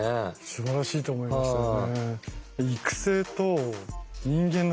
すばらしいと思いますね。